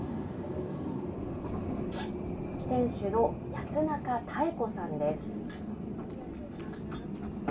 店主の安中妙子さんです。